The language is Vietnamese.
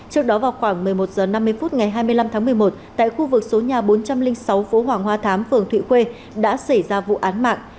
trước đó vào khoảng một mươi một h năm mươi phút ngày hai mươi năm tháng một mươi một tại khu vực số nhà bốn trăm linh sáu phố hoàng hoa thám phường thụy đã xảy ra vụ án mạng